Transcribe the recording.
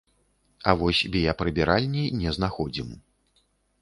А вось біяпрыбіральні не знаходзім.